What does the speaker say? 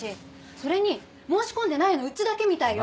それに申し込んでないのうちだけみたいよ。